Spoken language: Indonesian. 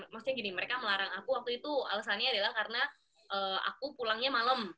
maksudnya gini mereka melarang aku waktu itu alasannya adalah karena aku pulangnya malam